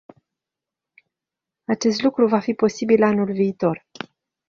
Acest lucru va fi posibil anul viitor.